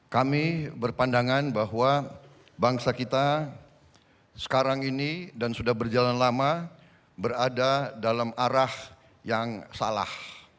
kami berpandangan bahwa bangsa kita sekarang ini dan sudah berjalan lama berada dalam arah yang salah